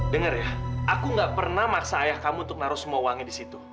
dengar ya aku gak pernah maksa ayah kamu untuk naruh semua uangnya disitu